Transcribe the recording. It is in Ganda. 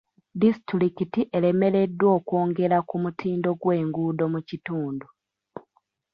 Disitulikiti eremereddwa okwongera ku mutindo gw'enguudo mu kitundu.